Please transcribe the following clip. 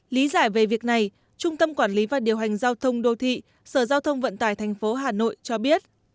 lý giải về việc này trung tâm quản lý và điều hành giao thông đô thị sở giao thông vận tải tp hà nội cho biết